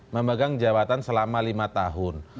memegang jabatan selama lima tahun